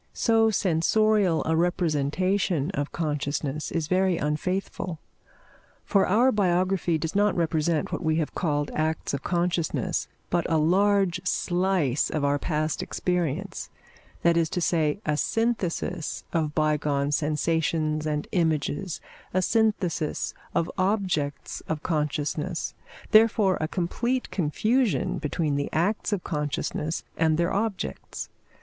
So sensorial a representation of consciousness is very unfaithful; for our biography does not represent what we have called acts of consciousness, but a large slice of our past experience that is to say, a synthesis of bygone sensations and images, a synthesis of objects of consciousness; therefore a complete confusion between the acts of consciousness and their objects.